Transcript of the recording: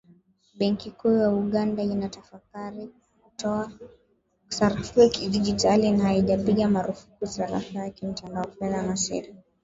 Benki kuu ya Uganda inatafakari kutoa sarafu ya kidigitali, na haijapiga marufuku sarafu ya kimtandao fedha za siri.